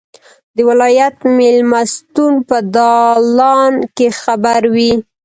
د ولایت مېلمستون په دالان کې خبرې وې.